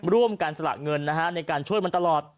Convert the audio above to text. ร่วมกันสละเงินในการช่วยมันตลอด